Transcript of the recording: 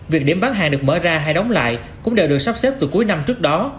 việc điểm bán hàng được mở ra hay đóng lại cũng đều được sắp xếp từ cuối năm trước đó